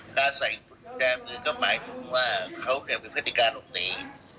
การใส่กุญแจมือก็หมายถึงว่าเขามีพฤติการหลบหนี